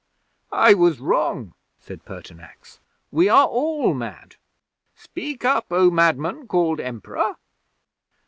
'"I was wrong," said Pertinax. "We are all mad. Speak up, O Madman called Emperor!"